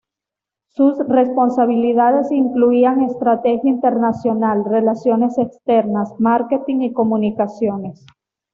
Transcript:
Sus responsabilidades incluían estrategia internacional, relaciones externas, marketing y comunicaciones.